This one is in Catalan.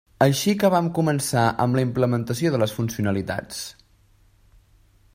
Així que vam començar amb la implementació de les funcionalitats.